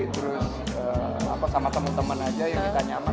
terus sama temen temen aja yang kita nyaman